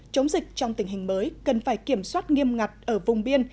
chống dịch trong tình hình mới cần phải kiểm soát nghiêm ngặt ở vùng biên